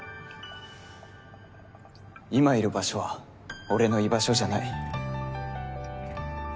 今いる場所は俺の居場所じゃない。